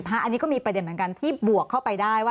อันนี้ก็มีประเด็นเหมือนกันที่บวกเข้าไปได้ว่า